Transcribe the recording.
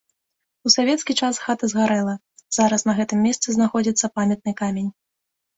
У савецкі час хата згарэла, зараз на гэтым месцы знаходзіцца памятны камень.